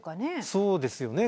そうですよね。